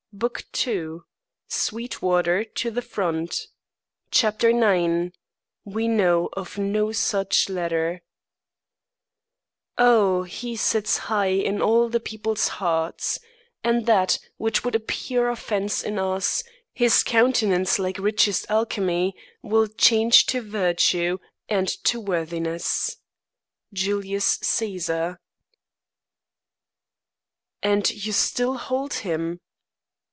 BOOK TWO SWEETWATER TO THE FRONT IX "WE KNOW OF NO SUCH LETTER" O, he sits high in all the people's hearts; And that, which would appear offence in us, His countenance like richest alchemy Will change to virtue, and to worthiness. Julius Caesar. "And you still hold him?"